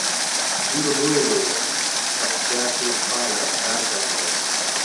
ډېرو لويو لويو شخصياتو شپه او ورځ کار کړی دی